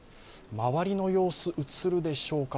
周りの様子、映るでしょうか。